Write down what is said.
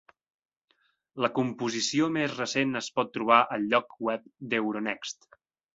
La composició més recent es pot trobar al lloc web d'euronext.